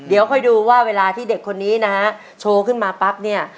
เดี๋ยวค่อยดูว่าเวลาที่เด็กคนนี้นะฮะโชว์ขึ้นมาปั๊บเนี่ย